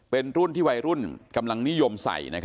เป็นรุ่นที่วัยรุ่นกำลังนิยมใส่